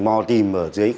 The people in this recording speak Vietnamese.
mò tìm ở dưới